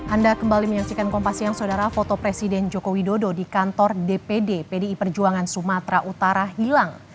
anda kembali menyaksikan kompas siang saudara foto presiden joko widodo di kantor dpd pdi perjuangan sumatera utara hilang